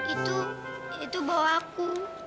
itu itu bau aku